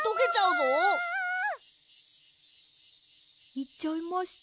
いっちゃいました。